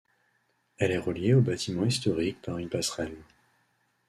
Elle est reliée au bâtiment historique par une passerelle.